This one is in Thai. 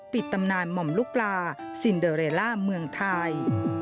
ตำนานหม่อมลูกปลาซินเดอเรลล่าเมืองไทย